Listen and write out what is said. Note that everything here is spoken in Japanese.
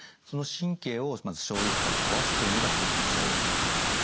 その神経をまず衝撃波で壊すというのが一つの作用になります。